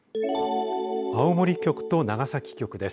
青森局と長崎局です。